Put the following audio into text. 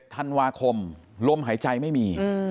ธันวาคมลมหายใจไม่มี